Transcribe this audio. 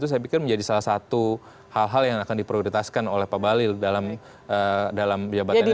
saya pikir menjadi salah satu hal hal yang akan diprioritaskan oleh pak balil dalam jabatan sebagai kepala bkpn